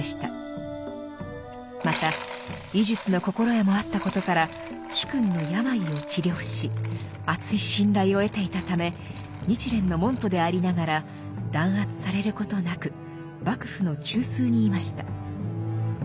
また医術の心得もあったことから主君の病を治療しあつい信頼を得ていたため日蓮の門徒でありながら弾圧されることなく幕府の中枢にいました。